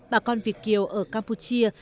bà con việt kiều ở campuchia